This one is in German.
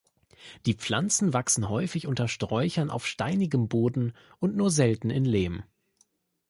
Die Pflanzen wachsen häufig unter Sträuchern auf steinigem Boden und nur selten in Lehm.